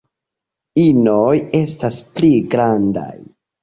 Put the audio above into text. Inoj estas pli grandaj.